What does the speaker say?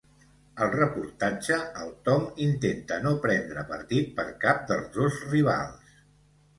Al reportatge, el Tom intenta no prendre partit per cap dels dos rivals.